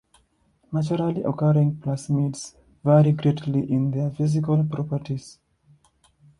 Naturally occurring plasmids vary greatly in their physical properties.